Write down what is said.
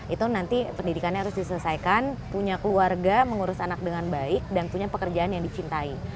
itu nanti pendidikannya harus diselesaikan punya keluarga mengurus anak dengan baik dan punya pekerjaan yang dicintai